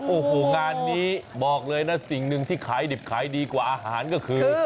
โอ้โหงานนี้บอกเลยนะสิ่งหนึ่งที่ขายดิบขายดีกว่าอาหารก็คือ